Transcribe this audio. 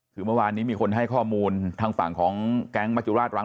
คือเมื่อวานนี้มีคนให้ข้อมูลทางฝั่งของแก๊งมจุราชรัง